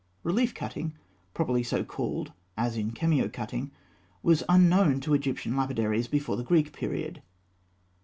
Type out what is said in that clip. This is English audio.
Relief cutting, properly so called (as in cameo cutting), was unknown to Egyptian lapidaries before the Greek period.